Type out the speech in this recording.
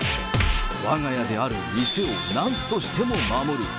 わが家である店をなんとしても守る。